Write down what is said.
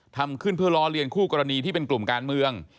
ทำขึ้นเพื่อล้อเลียนคู่กรณีที่เป็นกลุ่มการเมือง